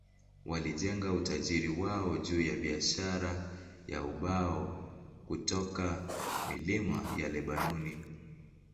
Walijenga utajiri wao juu ya biashara ya ubao kutoka milima ya Lebanoni.